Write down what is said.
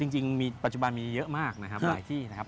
จริงมีปัจจุบันมีเยอะมากนะครับหลายที่นะครับ